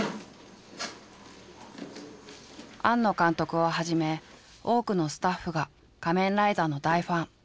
庵野監督をはじめ多くのスタッフが「仮面ライダー」の大ファン。